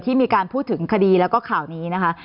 มีการพูดถึงคดีแล้วก็ข่าวนี้นะคะ